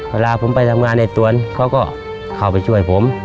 เวลาผมไปทำงานในตวนเขาก็เข้าไปช่วยผม